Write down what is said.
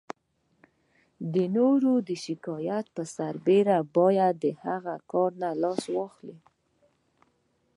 د نورو د شکایت په سر باید له هغه کار نه لاس واخلئ.